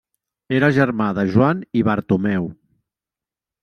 Era germà de Joan i Bartomeu.